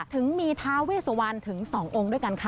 ถึงมีทาเวสวันถึง๒องค์ด้วยกันค่ะ